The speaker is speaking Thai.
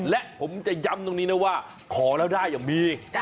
และผมจะย้ำตรงนี้นะว่าขอแล้วได้อย่างดี